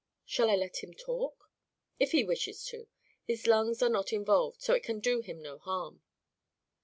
"Shall I let him talk?" "If he wishes to. His lungs are not involved, so it can do him no harm."